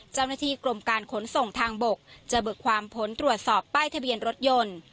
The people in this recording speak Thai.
เจ้าหน้าที่กรมการขนส่งทางบกจะเบิกความผลตรวจสอบป้ายทะเบียนรถยนต์